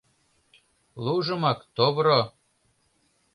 — Лужымак товро!